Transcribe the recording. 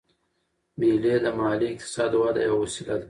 مېلې د محلي اقتصاد وده یوه وسیله ده.